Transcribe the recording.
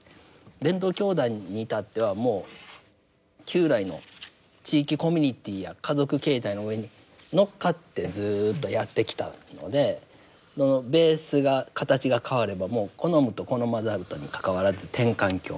伝統教団に至ってはもう旧来の地域コミュニティーや家族形態の上に乗っかってずっとやってきたのでベースが形が変わればもう好むと好まざるとにかかわらず転換期を迎えるという。